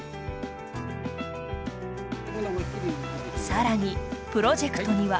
更にプロジェクトには。